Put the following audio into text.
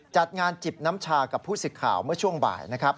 จัดงานจิบน้ำชากับผู้สิทธิ์ข่าวเมื่อช่วงบ่ายนะครับ